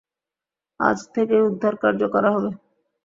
আজ থেকেই উদ্ধারকার্য করা হবে।